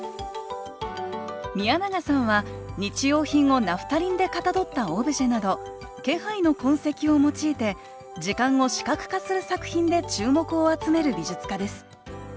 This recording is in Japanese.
宮永さんは日用品をナフタリンでかたどったオブジェなど気配の痕跡を用いて時間を視覚化する作品で注目を集める美術家です。